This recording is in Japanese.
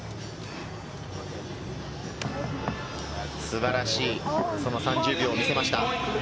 素晴らしい、その３０秒を見せました。